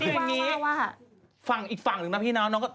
ไหนสิอย่างนี้ฟังอีกฝั่งหนึ่งนะพี่น้อง